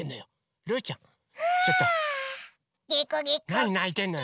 なにないてんのよ。